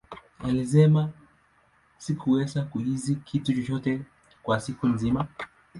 Alisema, Sikuweza kuhisi kitu chochote kwa siku nzima.